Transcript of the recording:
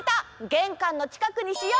げんかんのちかくにしよう！